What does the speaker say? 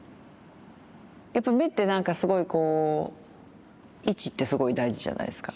やっぱ目ってなんかすごいこう位置ってすごい大事じゃないですか。